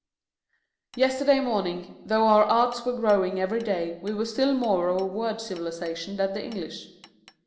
Yesterday morning, though our arts were growing every day, we were still more of a word civilization than the English.